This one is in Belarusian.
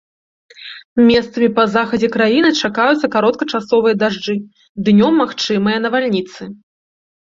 Месцамі па захадзе краіны чакаюцца кароткачасовыя дажджы, днём магчымыя навальніцы.